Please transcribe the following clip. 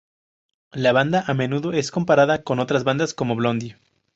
La banda a menudo es comparada con otras bandas como Blondie.